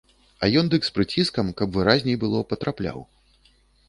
А ён дык з прыціскам, каб выразней было, патрапляў.